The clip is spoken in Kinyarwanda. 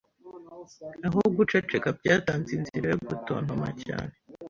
Aho guceceka byatanze inzira yo gutontoma cyane